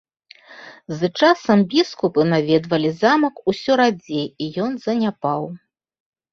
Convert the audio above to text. З часам біскупы наведвалі замак ўсё радзей і ён заняпаў.